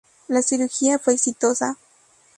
La cirugía fue exitosa.